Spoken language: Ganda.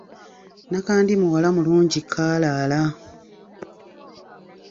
Nakandi muwala mulungi kaalaala.